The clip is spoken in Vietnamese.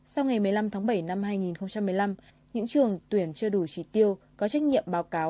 sau ngày một mươi năm tháng bảy năm hai nghìn một mươi năm những trường tuyển chưa đủ trí tiêu có trách nhiệm báo cáo